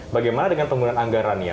bagaimana dengan penggunaan anggarannya